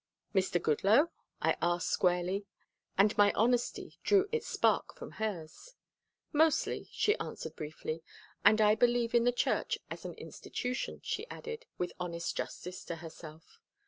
"Mr. Goodloe?" I asked squarely, and my honesty drew its spark from hers. "Mostly," she answered briefly. "And I believe in the church as an institution," she added, with honest justice to herself.